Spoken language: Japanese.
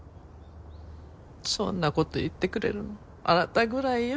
そんなこと言ってくれるのあなたぐらいよ。